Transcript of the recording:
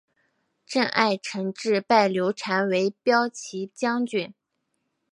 邓艾承制拜刘禅为骠骑将军。